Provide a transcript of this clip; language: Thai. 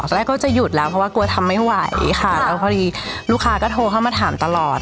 แรกก็จะหยุดแล้วเพราะว่ากลัวทำไม่ไหวค่ะแล้วพอดีลูกค้าก็โทรเข้ามาถามตลอด